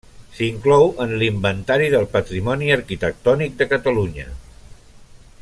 S'inclou en l'Inventari del Patrimoni Arquitectònic de Catalunya.